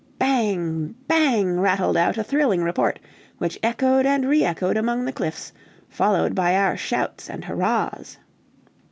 Bang! bang! rattled out a thrilling report, which echoed and re echoed among the cliffs, followed by our shouts and hurrahs.